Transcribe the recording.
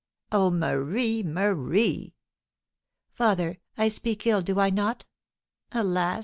"Oh, Marie, Marie!" "Father, I speak ill, do I not? Alas!